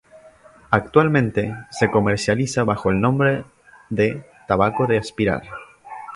Actualmente se comercializa bajo el nombre de "tabaco de aspirar".